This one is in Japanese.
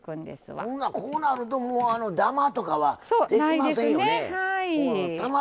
こうなるともうダマとかはできませんよね。